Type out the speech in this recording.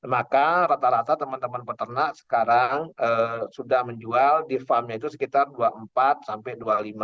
maka rata rata teman teman peternak sekarang sudah menjual di farmnya itu sekitar rp dua puluh empat sampai dua puluh lima